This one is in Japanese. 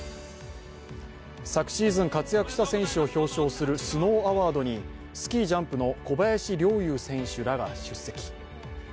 昨シーズン、活躍した選手を表彰するＳＮＯＷＡＷＡＲＤにスキージャンプの小林陵侑選手らが出席。